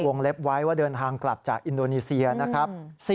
เล็บไว้ว่าเดินทางกลับจากอินโดนีเซียนะครับ